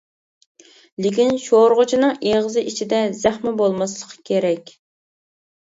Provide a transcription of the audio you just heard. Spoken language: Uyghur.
لېكىن شورىغۇچىنىڭ ئېغىزى ئىچىدە زەخمە بولماسلىقى كېرەك.